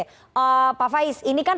pak faiz ini kan perkembangan